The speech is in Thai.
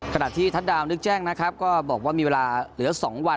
ขณะที่ทัศน์นึกแจ้งนะครับก็บอกว่ามีเวลาเหลือ๒วัน